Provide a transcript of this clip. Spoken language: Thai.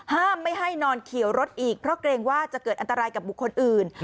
ไม่ให้นอนเขียวรถอีกเพราะเกรงว่าจะเกิดอันตรายกับบุคคลอื่น